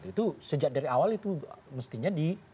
itu sejak dari awal itu mestinya di